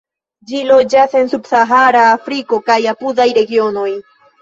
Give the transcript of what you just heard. Ĝi loĝas en subsahara Afriko kaj apudaj regionoj.